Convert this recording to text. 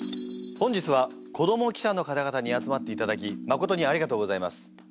本日は子ども記者の方々に集まっていただきまことにありがとうございます。